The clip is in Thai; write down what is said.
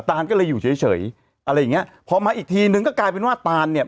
ตานก็เลยอยู่เฉยเฉยอะไรอย่างเงี้ยพอมาอีกทีนึงก็กลายเป็นว่าตานเนี่ย